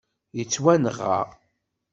Yettwanɣa